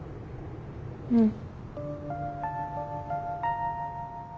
うん。